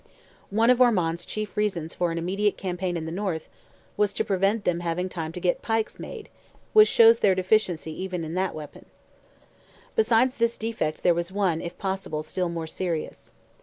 One of Ormond's chief reasons for an immediate campaign in the North was to prevent them having time to get "pikes made"—which shows their deficiency even in that weapon. Besides this defect there was one, if possible, still more serious.